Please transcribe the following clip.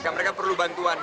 mereka perlu bantuan